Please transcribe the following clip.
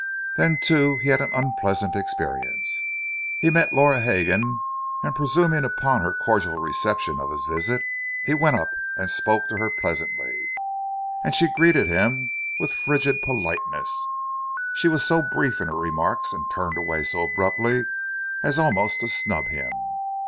Then, too, he had an unpleasant experience. He met Laura Hegan; and presuming upon her cordial reception of his visit, he went up and spoke to her pleasantly. And she greeted him with frigid politeness; she was so brief in her remarks and turned away so abruptly as almost to snub him.